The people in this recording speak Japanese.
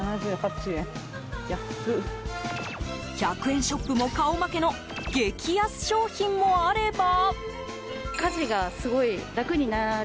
１００円ショップも顔負けの激安商品もあれば。